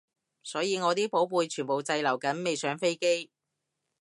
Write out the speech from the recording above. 所以我啲寶貝全部仲滯留緊未上飛機